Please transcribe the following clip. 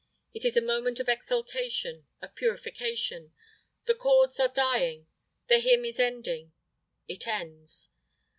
It is a moment of exaltation, of purification. The chords are dying; the hymn is ending; it ends.